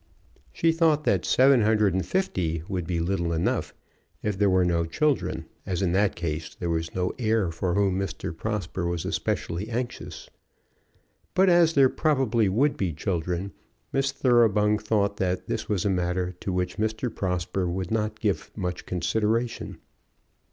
She thought that seven hundred and fifty would be little enough if there were no children, as in that case there was no heir for whom Mr. Prosper was especially anxious. But as there probably would be children, Miss Thoroughbung thought that this was a matter to which Mr. Prosper would not give much consideration.